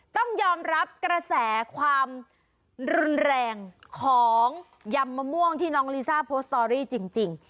ต้องยอมรับกระแสความรุนแรงของยำมะม่วงที่น้องลิซ่าโพสต์สตอรี่จริง